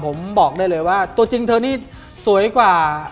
ผมบอกได้เลยว่าตัวจริงเธอนี่สวยกว่า